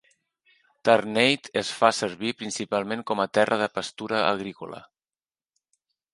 Tarneit es fa servir principalment com a terra de pastura agrícola.